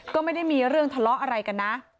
ก็ไม่ได้มีเรื่องทะเลาะอะไรกันนะ